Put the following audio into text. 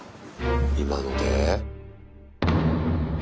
今ので？